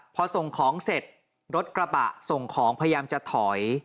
พอส่งของเสร็จรถกระบะส่งของพยายามจะถอย